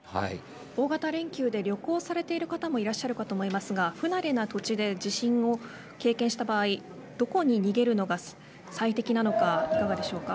大型連休で旅行されている方もいらっしゃると思いますが不慣れな土地で地震を経験した場合どこに逃げるのが最適なのかいかがでしょうか。